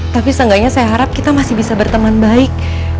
tapi seenggaknya saya harap kita masih bisa berteman baik